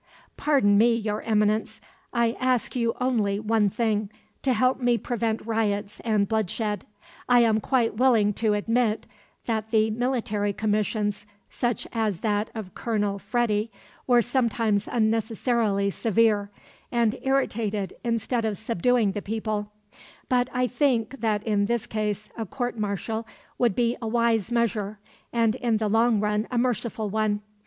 "Pardon me, Your Eminence; I ask you only one thing to help me prevent riots and bloodshed. I am quite willing to admit that the military commissions, such as that of Colonel Freddi, were sometimes unnecessarily severe, and irritated instead of subduing the people; but I think that in this case a court martial would be a wise measure and in the long run a merciful one.